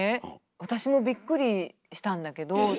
私もびっくりしたんだけど